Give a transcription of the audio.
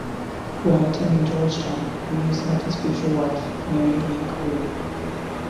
While attending Georgetown, Reeves met his future wife, Mary V. Corroon.